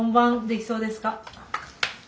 できそうです。